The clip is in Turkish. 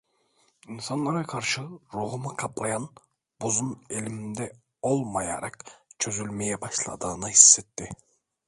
İnsanlara karşı ruhunu kaplayan buzun elinde olmayarak çözülmeye başladığını hissetti.